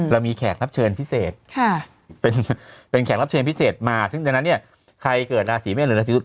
เรามีแขกรับเชิญพิเศษเป็นแขกรับเชิญพิเศษมาซึ่งดังนั้นเนี่ยใครเกิดราศีเมษหรือราศี